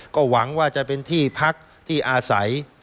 ก็หวังว่าจะเป็นที่พักที่อาศัย